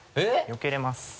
よけれます。